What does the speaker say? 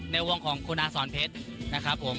ในวงของคุณอาสอนเพชรนะครับผม